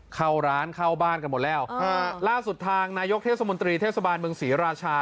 เข้าร้านเข้าบ้านกันหมดแล้วฮะล่าสุดทางนายกเทศมนตรีเทศบาลเมืองศรีราชา